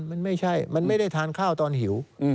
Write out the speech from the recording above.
มันไม่ใช่มันไม่ได้ทานข้าวตอนหิว